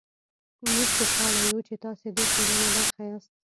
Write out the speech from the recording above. موژ خوشحاله يو چې تاسې ده ټولني برخه ياست